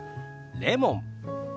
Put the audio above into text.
レモン。